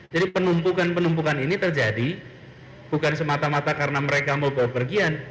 jadi penumpukan penumpukan ini terjadi bukan semata mata karena mereka mau bawa pergian